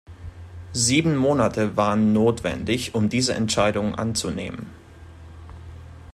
Sieben Monate waren notwendig, um diese Entscheidung anzunehmen.